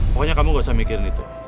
pokoknya kamu gak usah mikirin itu